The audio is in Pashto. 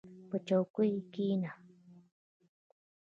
• په چوکۍ کښېنه.